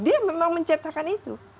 dia memang menciptakan itu